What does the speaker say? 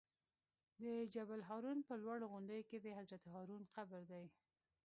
د جبل الهارون په لوړو غونډیو کې د حضرت هارون قبر دی.